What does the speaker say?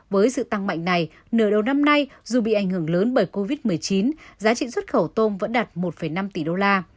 với sự tăng mạnh này nửa đầu năm nay dù bị ảnh hưởng lớn bởi covid một mươi chín giá trị xuất khẩu tôm vẫn đạt một năm tỷ đô la